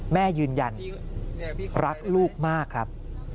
แม่ยืนยันรักลูกมากครับ